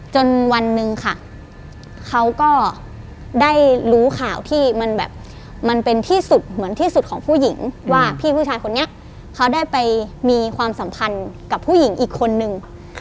จนวันหนึ่งค่ะเขาก็ได้รู้ข่าวที่มันแบบมันเป็นที่สุดเหมือนที่สุดของผู้หญิงว่าพี่ผู้ชายคนนี้เขาได้ไปมีความสัมพันธ์กับผู้หญิงอีกคนนึง